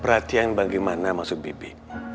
perhatian bagaimana maksud bibi